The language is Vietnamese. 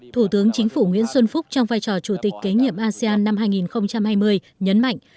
thủ tướng chính phủ nguyễn xuân phúc trong vai trò chủ tịch kế nhiệm asean năm hai nghìn hai mươi nhấn mạnh